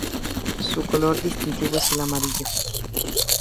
Su color distintivo es el amarillo.